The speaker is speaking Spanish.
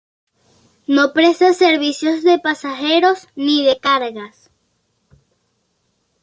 No presta servicios de pasajeros, ni de cargas.